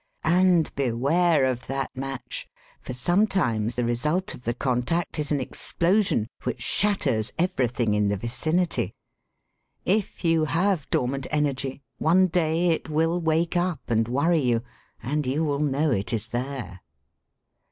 And beware of that match, for sometimes the re sult of the contact is an explosion which shatters everything in the vicinity. If you have dormant energy, one day it will wake up and worry you, and you will know it is there.